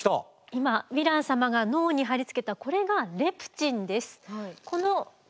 今ヴィラン様が脳に貼り付けたこれがレプチンです。